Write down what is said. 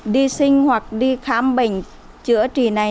đi sinh hoặc đi khám bệnh chữa trị này